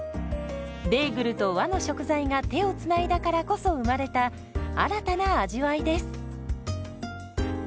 ベーグルと和の食材が手をつないだからこそ生まれた新たな味わいです。